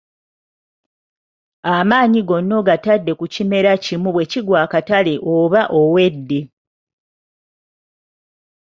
Amaanyi gonna ogatadde ku kimera kimu bwe kigwa akatale oba owedde.